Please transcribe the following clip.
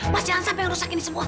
mas jangan sampai rusakin semua